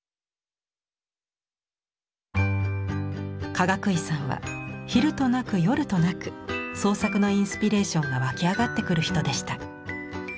かがくいさんは昼となく夜となく創作のインスピレーションが湧き上がってくる人でした。